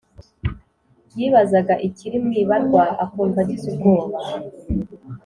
yibazaga ikiri mwibarwa akumva agize ubwoba,